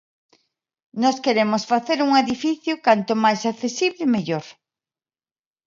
Nós queremos facer un edificio canto máis accesible, mellor.